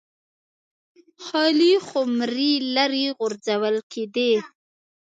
خالي خُمرې لرې غورځول کېدې